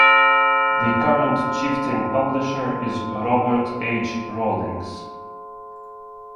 The current "Chieftain" Publisher is Robert H. Rawlings.